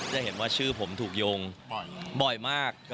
จะเห็นว่าชื่อผมถูกโยงบ่อยมาก